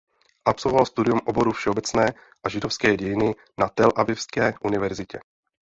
Absolvoval studium oboru všeobecné a židovské dějiny na Telavivské univerzitě.